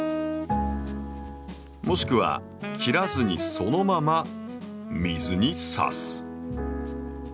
もしくは切らずにそのまま水に挿す。